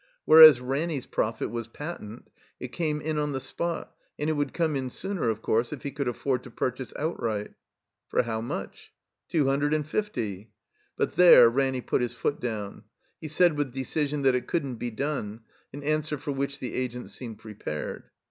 Whereas Ranny's profit was patent, it came in on the spot, and it would come in sooner, of course, if he could afford to ptu^chase outright. *'For how much?" ''Two hundred and fiifty." But there Ranny put his foot down. He said with decision that it couldn't be done, an answer for which the Agent seemed prepared.